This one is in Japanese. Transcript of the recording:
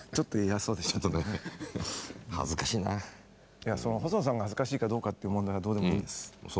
いやその細野さんが恥ずかしいかどうかって問題はどうでもいいです。